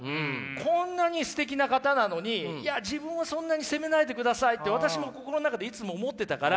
こんなにすてきな方なのにいや自分をそんなに責めないでくださいって私も心の中でいつも思ってたから。